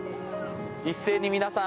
一斉に皆さん